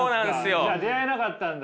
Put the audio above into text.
じゃあ出会えなかったんだ。